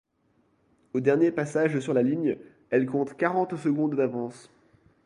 Au dernier passage sur la ligne, elle compte quarante secondes d'avance.